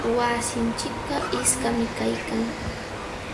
Wasinchikqa iskami kaykan.